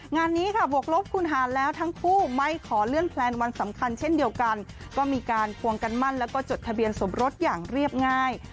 งานนี้ค่ะบวกลบคุณหารแล้วทั้งคู่ไม่ขอเลื่อนแพลนวันสำคัญเช่นเดียวกันก็มีการควงกันมั่นแล้วก็จดทะเบียนสมรสอย่างเรียบง่าย